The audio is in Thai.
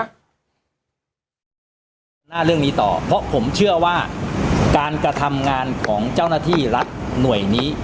หน้าเรื่องนี้ต่อเพราะผมเชื่อว่าการกระทำงานของเจ้าหน้าที่รัฐหน่วยนี้